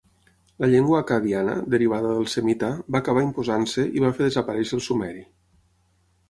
La llengua acadiana, derivada del semita, va acabar imposant-se i va fer desaparèixer el sumeri.